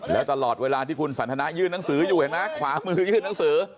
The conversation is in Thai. แล้วตลอดเวลาที่คุณสันทนายื่นหนังสืออยู่เห็นไหมขวามือยื่นหนังสือ